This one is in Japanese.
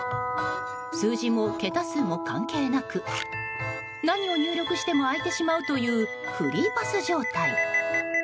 数字も桁数も関係なく何を入力しても開いてしまうというフリーパス状態。